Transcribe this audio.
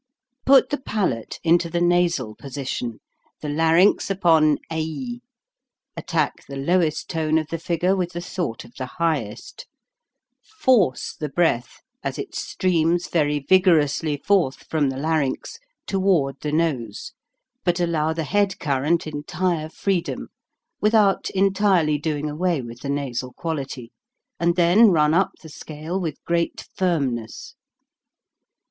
Put the palate into the nasal position, the larynx upon #; attack the lowest tone of the figure with the thought of the highest; force the breath, as it streams very vigorously forth from the larynx, toward the nose, but allow the head current entire freedom, without en tirely doing away with the nasal quality ; and then run up the scale with great firmness.